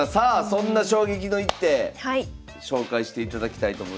そんな衝撃の一手紹介していただきたいと思います。